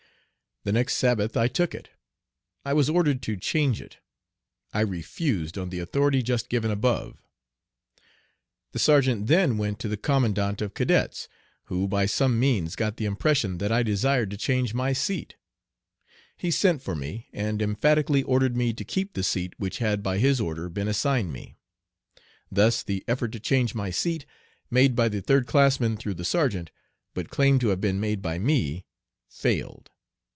The next Sabbath I took it. I was ordered to change it. I refused on the authority just given above. The sergeant then went to the commandant of cadets, who by some means got the impression that I desired to change my seat. He sent for me and emphatically ordered me to keep the seat which had by his order been assigned me. Thus the effort to change my seat, made by the third classman through the sergeant, but claimed to have been made by me, failed.